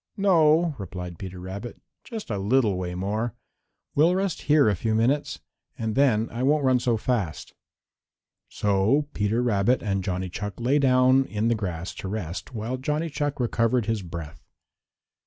"No," replied Peter Rabbit, "just a little way more. We'll rest here a few minutes and then I won't run so fast." So Peter Rabbit and Johnny Chuck lay down in the grass to rest while Johnny Chuck recovered his breath.